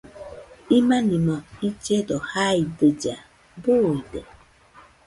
Imanimo illledo jaidɨlla, buide